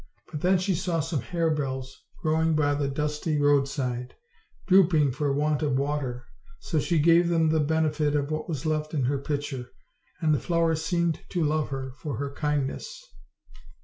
But then she saw some harebells growing by the dusty roadside, drooping for want of water, so she gave them the benefit of what was left in her pitcher, and the flowers seemed to love her for her kindness.